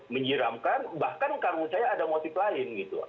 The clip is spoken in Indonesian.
menyeramkan bahkan karun saya ada motif lain gitu